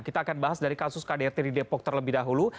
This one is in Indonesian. kita akan bahas dari kasus kdrt di depok terlebih dahulu